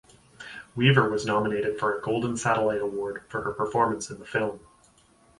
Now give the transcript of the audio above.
Weaver was nominated for a Golden Satellite Award for her performance in the film.